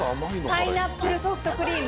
パイナップルソフトクリーム。